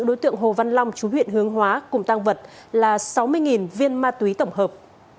đối tượng hồ văn long chú huyện hướng hóa cùng tăng vật là sáu mươi viên ma túy tổng hợp